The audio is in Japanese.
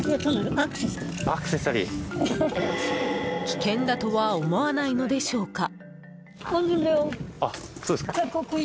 危険だとは思わないのでしょうか？